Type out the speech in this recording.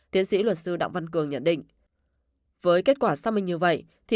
tiến sĩ luật sư đọng văn cường nhận định